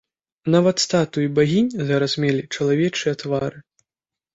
Нават статуі багінь зараз мелі чалавечыя твары.